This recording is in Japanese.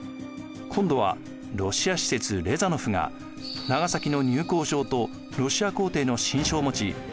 今度はロシア使節レザノフが長崎の入港証とロシア皇帝の親書を持ち長崎に来航。